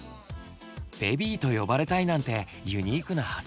ベビーと呼ばれたいなんてユニークな発想だね。